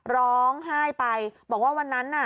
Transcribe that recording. ร้องไห้ไปบอกว่าวันนั้นน่ะ